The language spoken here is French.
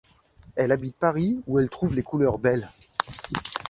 Elle habite Paris où elle trouve les couleurs belles.